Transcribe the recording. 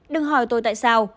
đừng hỏi tôi tại sao